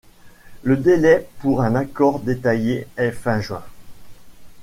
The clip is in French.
Le délai pour un accord détaillé est fin juin.